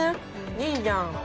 いいじゃん。